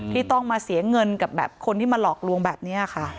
ที่ต้องมาเสียเงินกับแบบคนที่มาหลอกลวงแบบนี้ค่ะ